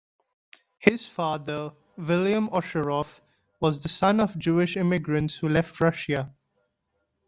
His father, William Osheroff, was the son of Jewish immigrants who left Russia.